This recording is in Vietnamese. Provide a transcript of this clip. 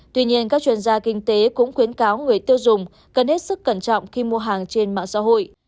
tuy nhiên các chuyên gia kinh tế cũng khuyến cáo người tiêu dùng cần hết sức cẩn trọng khi mua hàng trên mạng xã hội